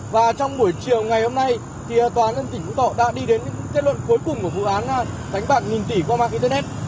và trong buổi chiều ngày hôm nay thì tòa án dân tỉnh phú tọ đã đi đến những kết luận cuối cùng của vụ án đánh bạc nghìn tỷ qua mạng internet